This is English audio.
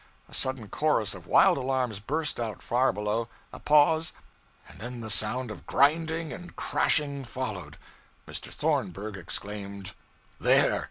A sudden chorus of wild alarms burst out far below a pause and then the sound of grinding and crashing followed. Mr. Thornburg exclaimed 'There!